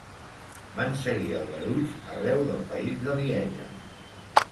Van seguir aldarulls arreu del país de Lieja.